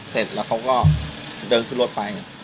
เสร็จแล้วเขาก็เดินขึ้นรถไป